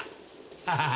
ハハハ。